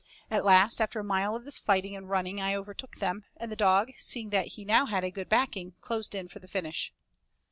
At last after a mile of this fighting and running I overtook them, and the dog, seeing that he now had good backing, closed in for the finish.